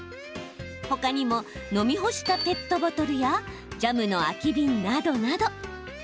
ほかにも飲み干したペットボトルやジャムの空きビンなどなど。